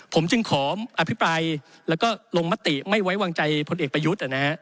ผมจึงขออภิปรายแล้วก็ลงมติไม่ไว้วางใจพลเอกประยุทธ์